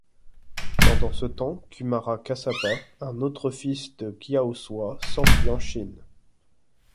Pendant ce temps, Kumara Kassapa, un autre fils de Kyawswa, s’enfuit en Chine.